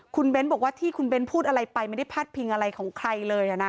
คุณเบ้นบอกว่าที่คุณเบ้นพูดอะไรไปไม่ได้พาดพิงอะไรของใครเลยนะ